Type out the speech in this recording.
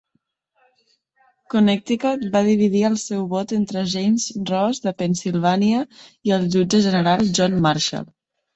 Connecticut va dividir el seu vot entre James Ross de Pennsilvània i el jutge general John Marshall.